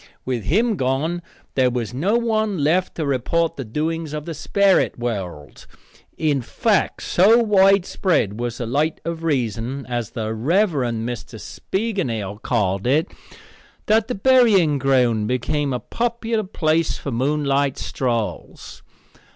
With him gone there was no one left to report the doings of the sperrit world. In fact, so widespread was the light of reason, as the Rev. Mr. Spiegelnail called it, that the burying ground became a popular place for moonlight strolls.